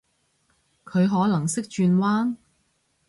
佢可能識轉彎？